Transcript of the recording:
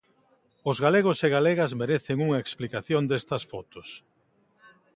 Os galegos e galegas merecen unha explicación destas fotos.